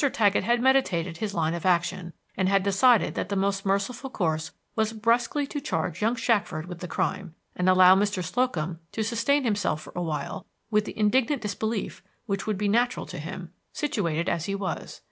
Taggett had meditated his line of action, and had decided that the most merciful course was brusquely to charge young Shackford with the crime, and allow Mr. Slocum to sustain himself for a while with the indignant disbelief which would be natural to him, situated as he was.